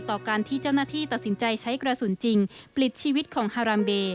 ต่อการที่เจ้าหน้าที่ตัดสินใจใช้กระสุนจริงปลิดชีวิตของฮารามเบ